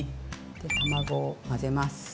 卵を混ぜます。